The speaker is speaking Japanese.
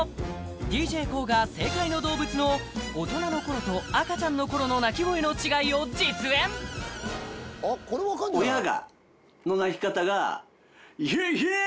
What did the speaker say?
ＤＪＫＯＯが正解の動物の大人の頃と赤ちゃんの頃の鳴き声の違いを実演これ分かるんじゃない？